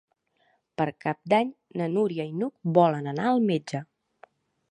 Per Cap d'Any na Núria i n'Hug volen anar al metge.